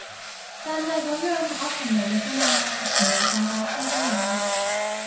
但係嗰樣係 option 嚟咋嘛，唔係架架車都有